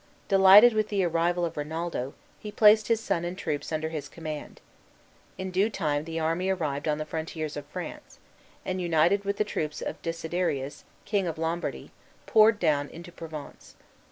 Delighted with the arrival of Rinaldo, he placed his son and troops under his command. In due time the army arrived on the frontiers of France, and, united with the troops of Desiderius, king of Lombardy, poured down into Provence.